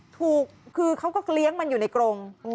ถูกคือเขาก็เลี้ยงมันอยู่ในกรง